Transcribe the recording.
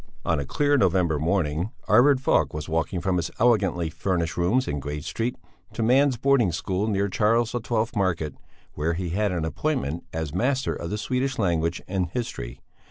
On a clear November morning Arvid Falk was walking from his elegantly furnished rooms in Great Street to ... man's Boarding School near Charles XII Market, where he had an appointment as master of the Swedish language and history.